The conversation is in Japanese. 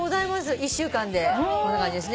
１週間でこんな感じですね。